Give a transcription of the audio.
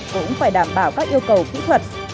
cũng phải đảm bảo các yêu cầu kỹ thuật